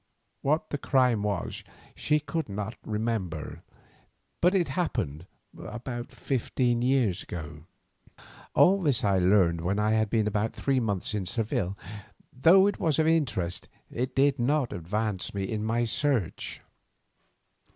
What the crime was she could not remember, but it had happened about fifteen years ago. All this I learned when I had been about three months in Seville, and though it was of interest it did not advance me in my search.